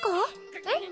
えっ？